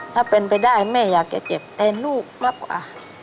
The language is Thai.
ถ้าเป็นไปได้แม่อยากจะเจ็บแทนลูกมากกว่า